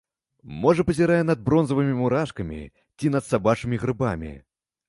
Можа пазірае над бронзавымі мурашкамі, ці над сабачымі грыбамі.